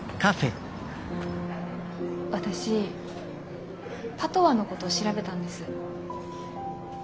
私パトワのこと調べたんです。